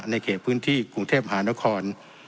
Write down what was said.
ในเขตพื้นที่กรุงเทพหานคร